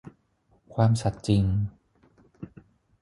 ความสัตย์จริง